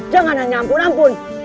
jangan hanya ampun ampun